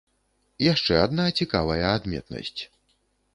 Яшчэ адна цікавая адметнасць.